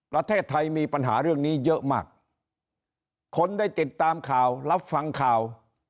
ประเทศไทยมีปัญหาเรื่องนี้เยอะมากคนได้ติดตามข่าวรับฟังข่าว